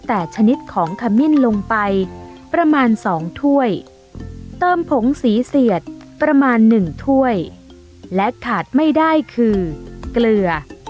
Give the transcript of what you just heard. แต่ชนิดของขมิ้นลงไปประมาณ๒ถ้วยเติมผงสีเสียดประมาณ๑ถ้วยและขาดไม่ได้คือเกลือ